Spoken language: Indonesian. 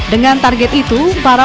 dengan target itu para